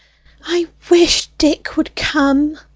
"I wish Dick would come!"